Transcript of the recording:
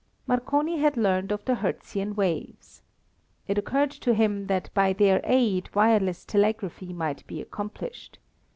Marconi had learned of the Hertzian waves. It occurred to him that by their aid wireless telegraphy might be accomplished.